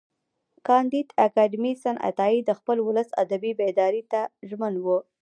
کانديد اکاډميسن عطایي د خپل ولس ادبي بیداري ته ژمن و.